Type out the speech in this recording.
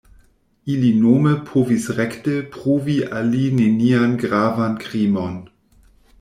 Ili nome povis rekte pruvi al li nenian gravan krimon.